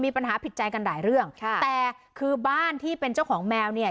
มีปัญหาผิดใจกันหลายเรื่องค่ะแต่คือบ้านที่เป็นเจ้าของแมวเนี่ย